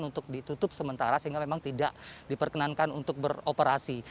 untuk ditutup sementara sehingga memang tidak diperkenankan untuk beroperasi